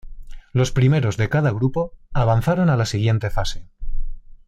Los primeros de cada grupo avanzaron a la siguiente fase.